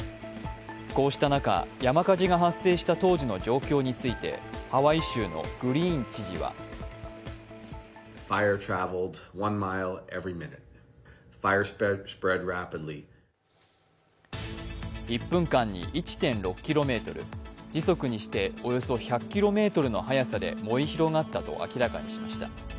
こうした中、山火事が発生した当時の状況についてハワイ州のグリーン知事は１分間に１．６ｋｍ、時速にしておよそ１００キロメートルの速さで燃え広がったと明らかにしました。